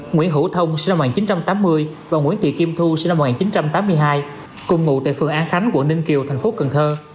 nguyễn hữu thông sinh năm một nghìn chín trăm tám mươi và nguyễn thị kim thu sinh năm một nghìn chín trăm tám mươi hai cùng ngụ tại phường an khánh quận ninh kiều thành phố cần thơ